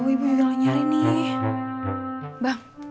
oh ibu juga lagi nyari nih